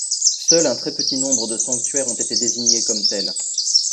Seul un très petit nombre de sanctuaires ont été désignés comme tels.